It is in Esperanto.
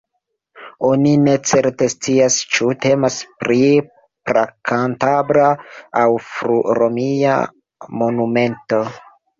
Oni ne certe scias, ĉu temas pri pra-kantabra aŭ fru-romia monumento.